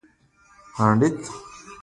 سپما به ستا په راتلونکي کې مرسته وکړي.